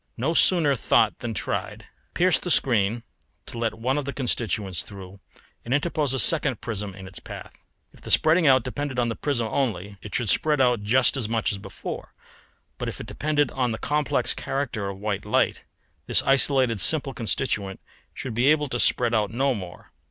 No sooner thought than tried. Pierce the screen to let one of the constituents through and interpose a second prism in its path. If the spreading out depended on the prism only it should spread out just as much as before, but if it depended on the complex character of white light, this isolated simple constituent should be able to spread out no more.